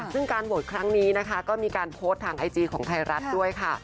ซึ่งการโหวตครั้งนี้นะคะก็มีการโพสต์ทางไอจีของไทยรัฐด้วยค่ะ